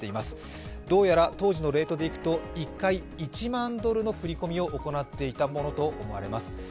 どうやら当時のレートでいくと１回１万ドルの振り込みを行っていたものと思われます。